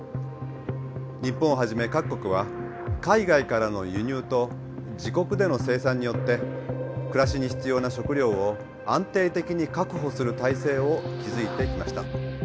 日本をはじめ各国は海外からの輸入と自国での生産によって暮らしに必要な食料を安定的に確保する体制を築いてきました。